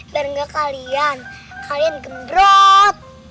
biar nggak kalian kalian gembrot